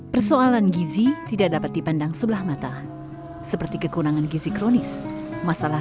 persoalan gizi tidak dapat dipandang sebelah mata seperti kekurangan gizi kronis masalah